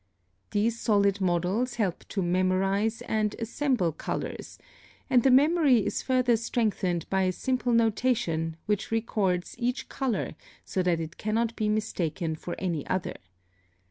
(37) These solid models help to memorize and assemble colors and the memory is further strengthened by a simple NOTATION, which records each color so that it cannot be mistaken for any other.